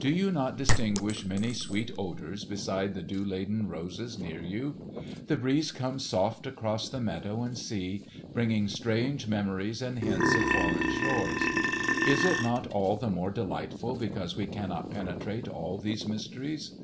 "Do you not distinguish many sweet odours beside the dew laden roses near you? The breeze comes soft across the meadow and sea, bringing strange memories and hints of foreign shores. Is it not all the more delightful because we cannot penetrate all these mysteries?